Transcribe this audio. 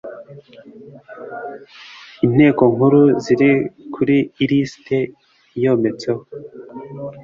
inteko nkuru ziri ku ilisiti iyometseho .